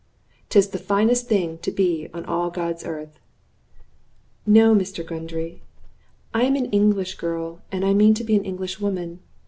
'Tis the finest thing to be on all God's earth." "No, Mr. Gundry, I am an English girl, and I mean to be an Englishwoman.